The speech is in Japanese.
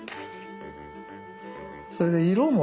それで色もね